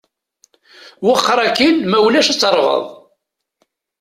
Wexxeṛ akin ma ulac ad terɣeḍ.